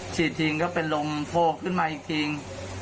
ฉีดถึงก็เป็นลมโภคขึ้นมาอีกทิ้ง